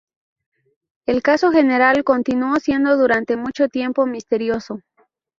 El caso general continuó siendo durante mucho tiempo misterioso.